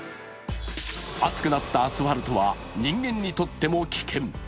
熱くなったアスファルトは人間にとっても危険。